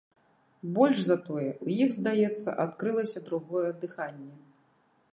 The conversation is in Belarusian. Больш за тое, у іх, здаецца, адкрылася другое дыханне.